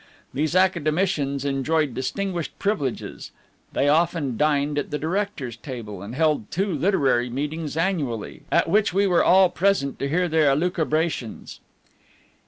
These Academicians enjoyed distinguished privileges; they often dined at the director's table, and held two literary meetings annually, at which we were all present to hear their elucubrations.